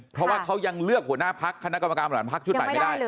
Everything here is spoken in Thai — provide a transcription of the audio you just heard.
เพราะว่าเขายังเลือกหัวหน้าพักคณกรรมกรรมรันดร์พักไม่ได้